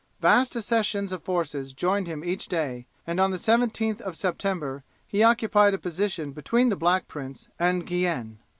Vast accessions of forces joined him each day, and on the 17th of September he occupied a position between the Black Prince and Guienne.